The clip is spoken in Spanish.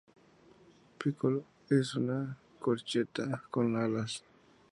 Piccolo es una corchea con alas.